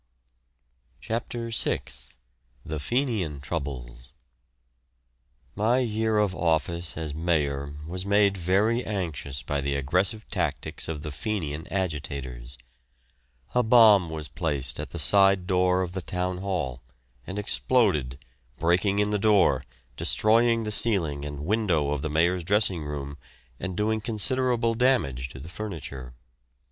CHAPTER VI. THE FENIAN TROUBLES. My year of office as Mayor was made very anxious by the aggressive tactics of the Fenian agitators. A bomb was placed at the side door of the Town Hall, and exploded, breaking in the door, destroying the ceiling and window of the mayor's dressing room and doing considerable damage to the furniture.